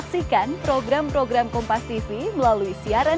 pak prabowo punya muda banyak deh